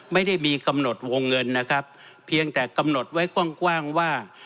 ไม่ได้มีกำหนดวงเงินนะครับเพียงแต่กำหนดไว้กว้างว่า